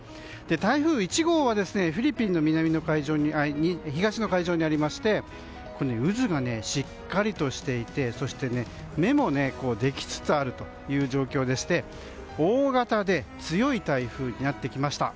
台風１号は、フィリピンの東の海上にありまして渦がしっかりとしていてそして、目もできつつあるという状況でして大型で強い台風になってきました。